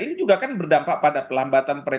ini juga kan berdampak pada pelambatan